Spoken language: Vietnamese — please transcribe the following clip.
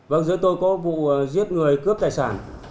vâng giữa tôi có vụ giết người cướp tài sản